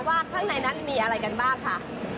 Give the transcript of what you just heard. ข้างในนั้นมีอะไรกันบ้างค่ะ